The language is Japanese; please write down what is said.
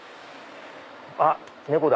あっ猫だ！